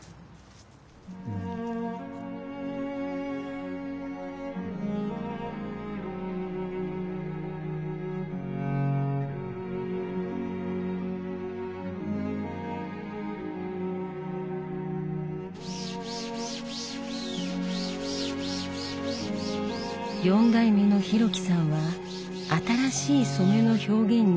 ４代目の広樹さんは新しい染めの表現に挑戦しています。